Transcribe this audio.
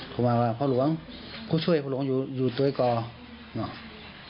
โทรมาว่าพระหลวงผู้ช่วยพระหลวงอยู่ตรงไอ้ก่อ